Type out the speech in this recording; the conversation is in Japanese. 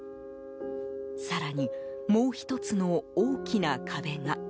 更に、もう１つの大きな壁が。